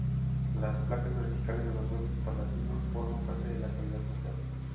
Las placas verticales de los huesos palatinos forman parte de la cavidad nasal.